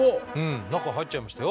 中入っちゃいましたよ。